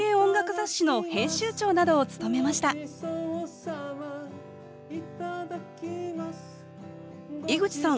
雑誌の編集長などを務めました井口さん